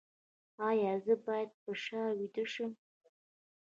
ایا زه باید په شا ویده شم؟